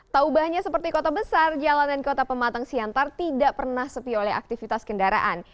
taubahnya seperti kota besar jalanan kota pematang siantar tidak pernah sepi oleh aktivitas kendaraan